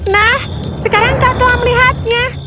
nah sekarang kau telah melihatnya